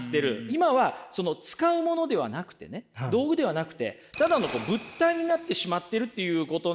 今はその使うものではなくてね道具ではなくてただの物体になってしまっているということなんですよね。